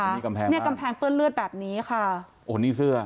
นี่กำแพงเนี้ยกำแพงเปื้อนเลือดแบบนี้ค่ะโอ้นี่เสื้อ